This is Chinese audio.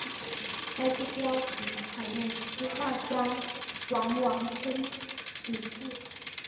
该剧标题采用书画家王王孙题字。